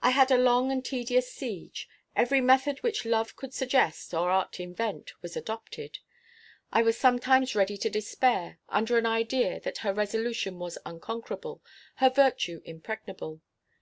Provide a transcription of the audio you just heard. I had a long and tedious siege. Every method which love could suggest, or art invent, was adopted. I was sometimes ready to despair, under an idea that her resolution was unconquerable, her virtue impregnable.